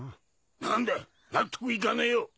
何だよ納得いかねえよ。